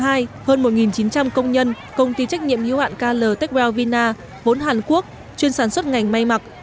hơn một chín trăm linh công nhân công ty trách nhiệm hữu hạn kl techwell vina vốn hàn quốc chuyên sản xuất ngành may mặc